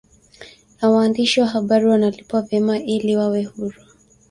na waandishi wa Habari wanalipwa vyema ili wawe huru